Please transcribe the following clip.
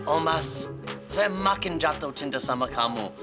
oh mas saya makin jatuh cinta sama kamu